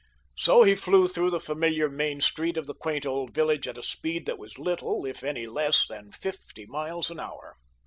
So he flew through the familiar main street of the quaint old village at a speed that was little, if any less, than fifty miles an hour.